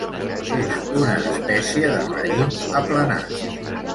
És una espècie de raïm aplanat.